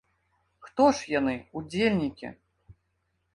Хто ж яны, удзельнікі?